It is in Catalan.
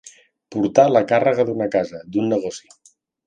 Portar la càrrega d'una casa, d'un negoci.